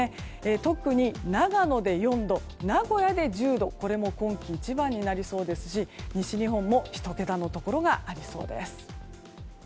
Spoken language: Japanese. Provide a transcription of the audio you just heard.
特に長野で４度名古屋で１０度これも今季一番になりそうですし西日本も１桁のところがありそうです。